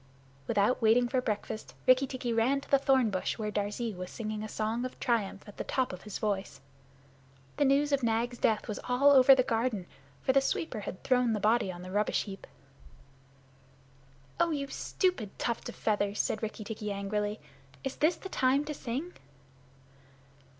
Without waiting for breakfast, Rikki tikki ran to the thornbush where Darzee was singing a song of triumph at the top of his voice. The news of Nag's death was all over the garden, for the sweeper had thrown the body on the rubbish heap. "Oh, you stupid tuft of feathers!" said Rikki tikki angrily. "Is this the time to sing?"